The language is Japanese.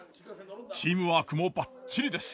チームワークもバッチリです。